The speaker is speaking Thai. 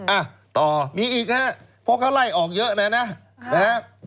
อ้าวต่อมีอีกนะเพราะเขาไล่ออกเยอะแล้วนะ